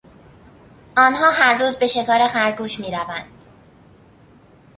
آنها هر روز به شکار خرگوش میروند.